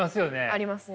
ありますね。